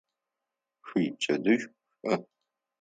Шъуипчэдыжь шӏу!